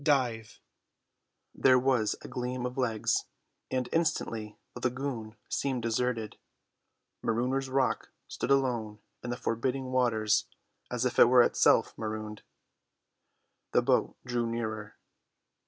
"Dive!" There was a gleam of legs, and instantly the lagoon seemed deserted. Marooners' Rock stood alone in the forbidding waters as if it were itself marooned. The boat drew nearer.